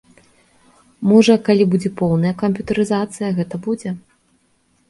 Можа, калі будзе поўная камп'ютарызацыя, гэта будзе.